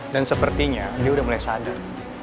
dan sepertinya dia udah mulai sadar